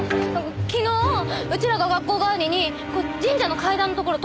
昨日うちらが学校帰りに神社の階段のところ通ってたの。